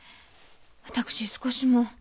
私少しも。